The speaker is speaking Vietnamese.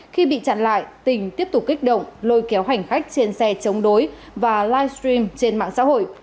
khi bị chặn lại tình tiếp tục kích động lôi kéo hành khách trên xe chống đối và livestream trên mạng xã hội